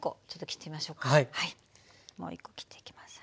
もう１コ切っていきます。